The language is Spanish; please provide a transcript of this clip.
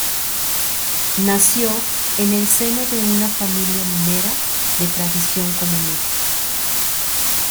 Nació en el seno de una familia minera de tradición comunista.